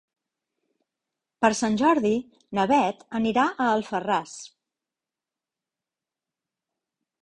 Per Sant Jordi na Bet anirà a Alfarràs.